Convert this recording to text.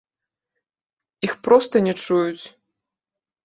Іх проста не чуюць.